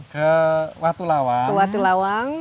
ke watu lawang